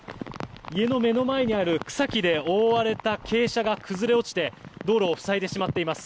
家の目の前にある草木で覆われた傾斜が崩れ落ちて道路を塞いでしまっています。